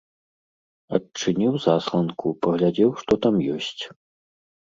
Адчыніў засланку, паглядзеў, што там ёсць.